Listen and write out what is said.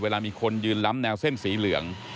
เวลามีคนยืนล้ำแนวเส้นสีเหลือง